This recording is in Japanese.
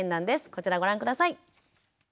こちらご覧下さい。